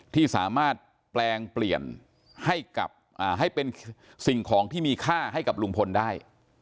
ที่สามารถแปลงเปลี่ยนให้เป็นสิ่งของที่มีค่าให้กับลุงพลได้